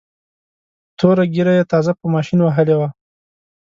توره ږیره یې تازه په ماشین وهلې وه.